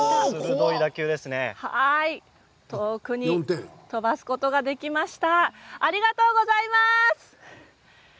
遠くに飛ばすことができました。